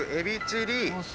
エビチリ。